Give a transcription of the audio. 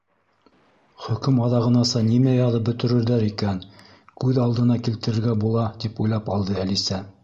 «Хөкөм аҙағынаса нимә яҙып бөтөрҙәр икән, күҙ алдына килтерергә була!» —тип уйлап алды Әлисә.